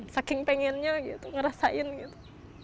saking pengennya gitu ngerasain gitu